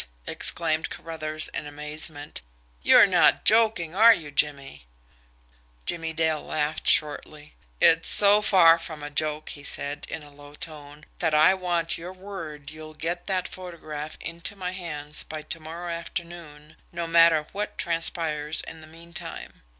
exclaimed Carruthers in amazement. "You're not joking, are you, Jimmie?" Jimmie Dale laughed shortly. "It's so far from a joke," he said, in a low tone, "that I want your word you'll get that photograph into my hands by to morrow afternoon, no matter what transpires in the meantime.